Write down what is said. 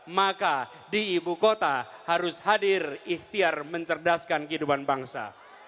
maka di ibu kota harus hadir ikhtiar mencerdaskan kehidupan bangsa